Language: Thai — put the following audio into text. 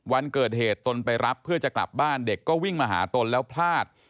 วันเกิดเหตุตนไปรับเพื่อจะกลับบ้านเด็กก็วิ่งมาหาตนแล้วพลาด